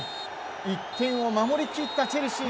１点を守り切ったチェルシー。